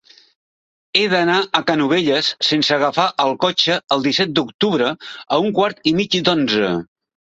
He d'anar a Canovelles sense agafar el cotxe el disset d'octubre a un quart i mig d'onze.